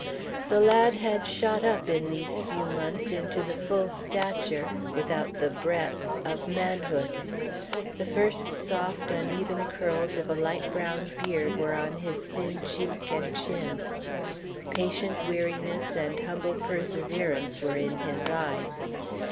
The lad had shot up in these few months into the full stature, without the breadth, of manhood. The first soft, uneven curls of a light brown beard were on his thin cheek and chin. Patient weariness and humble perseverance were in his eyes.